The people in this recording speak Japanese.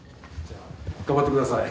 頑張ってください。